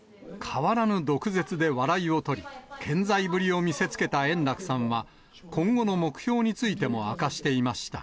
変わらぬ毒舌で笑いをとり、健在ぶりを見せつけた円楽さんは、今後の目標についても明かしていました。